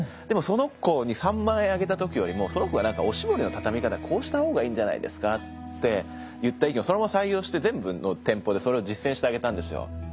でもその子に３万円あげた時よりもその子がなんか「おしぼりのたたみ方こうした方がいいんじゃないですか」って言った意見をそのまま採用して全部の店舗でそれを実践してあげたんですよ。